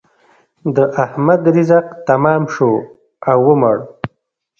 د احمد رزق تمام شو او ومړ.